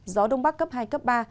gió đông bắc cấp hai cấp ba